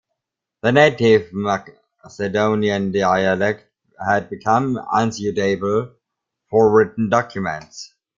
The native Macedonian dialect had become unsuitable for written documents.